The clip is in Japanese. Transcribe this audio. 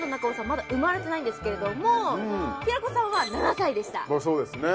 まだ生まれてないんですけれども平子さんは７歳でしたそうですね